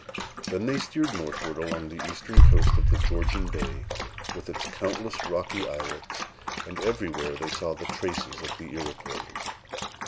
Then they steered northward, along the eastern coast of the Georgian Bay, with its countless rocky islets; and everywhere they saw the traces of the Iroquois.